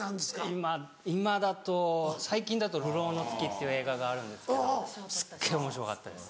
今今だと最近だと『流浪の月』っていう映画があるんですけどすっげぇおもしろかったです。